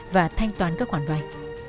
và thanh toán các quản vay